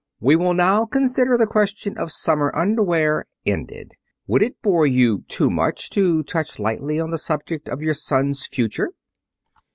"We will now consider the question of summer underwear ended. Would it bore you too much to touch lightly on the subject of your son's future?"